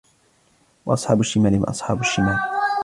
وَأَصْحَابُ الشِّمَالِ مَا أَصْحَابُ الشِّمَالِ